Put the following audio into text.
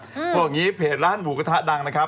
เพราะอย่างนี้เพจร้านหมูกระทะดังนะครับ